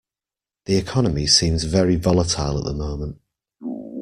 The economy seems very volatile at the moment.